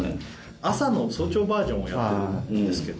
朝の早朝バージョンをやってるんですけど